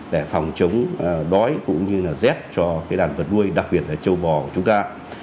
để phòng chống đói cũng như là rét cho đàn vật nuôi đặc biệt là châu bò của chúng ta